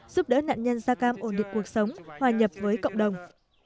giúp đỡ nạn nhân da cam ổn định cuộc sống hòa nhập với cộng đồng